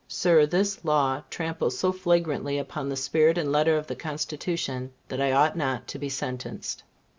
Sir, this, law tramples so flagrantly upon the spirit and letter of the Constitution, that I ought not to be sentenced.